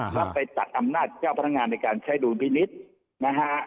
แล้วไปตัดอำนาจเจ้าพนักงานในการใช้ดุลพินิษฐ์นะฮะ